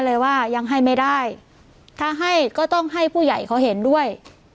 เลยว่ายังให้ไม่ได้ถ้าให้ก็ต้องให้ผู้ใหญ่เขาเห็นด้วย